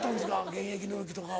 現役の時とかは。